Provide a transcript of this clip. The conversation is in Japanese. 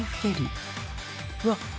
うわっ。